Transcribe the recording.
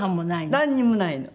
なんにもないの。